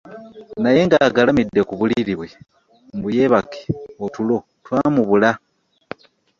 Naye ng'agalamidde ku buliri bwe mbu yeebake otulo twamubula.